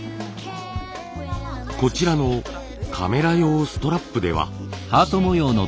こちらのカメラ用ストラップでは。